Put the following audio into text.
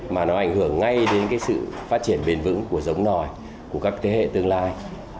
mà nó ảnh hưởng ngay đến cái sự phát triển bền vững của giống nòi của các thế hệ tương lai